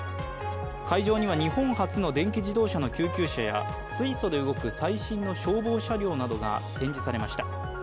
会場には日本初の電気自動車の救急車や水素で動く最新の消防車両などが展示されました。